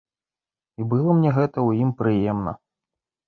І было мне гэта ў ім прыемна.